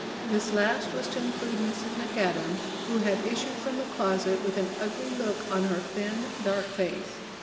This last was to include Mrs. McAdam, who had issued from the closet with an ugly look on her thin, dark face.